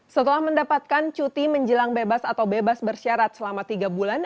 setelah mendapatkan cuti menjelang bebas atau bebas bersyarat selama tiga bulan